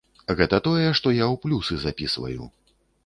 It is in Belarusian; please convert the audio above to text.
Гэта тое, што я ў плюсы запісваю.